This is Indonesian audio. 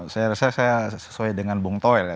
saya rasa saya sesuai dengan bung toel ya